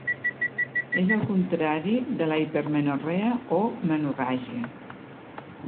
És el contrari de la hipermenorrea o menorràgia.